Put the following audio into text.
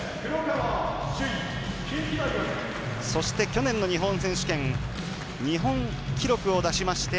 そして、去年の日本選手権日本記録を出しまして